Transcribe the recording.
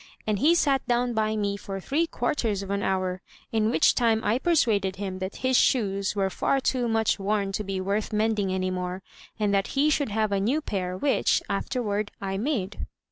And he sat down by me for three quarters of an hour, in which time I persuaded him that his shoes were far too much worn to be worth mending any more, and that he should have a new pair, which, afterward, I made."